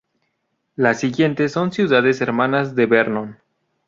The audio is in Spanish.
Las siguientes son ciudades hermanas de Vernon.